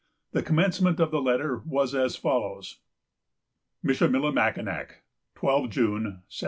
The commencement of the letter was as follows:—— "Michillimackinac, 12 June, 1763.